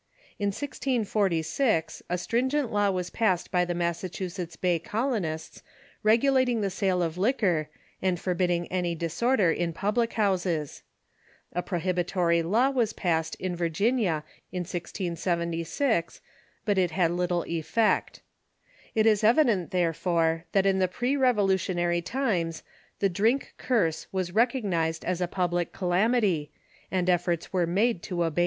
In 1646 a stringent law was passed by the Massachusetts Bay colonists regulating the sale of liquor, and forbidding any dis order ill public houses. A prohibitory law was passed in Vir ginia in 1676, but it had little effect. It is evident, there fore, that in the pre Revolutionary times the drink curse was recognized as a public calamity, and efforts were made to abate it.